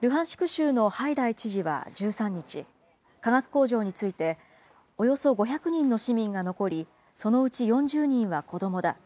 州のハイダイ知事は１３日、化学工場について、およそ５００人の市民が残り、そのうち４０人は子どもだ。